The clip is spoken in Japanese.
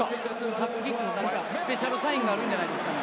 タップキックの何か、スペシャルサインがあるんじゃないですかね。